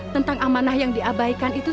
tentang amanah yang diabaikan itu